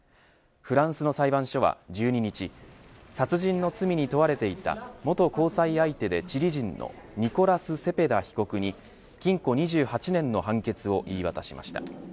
フランスの裁判所は１２日殺人の罪に問われていた元交際相手でチリ人のニコラス・セペダ被告に禁錮２８年の判決を言い渡しました。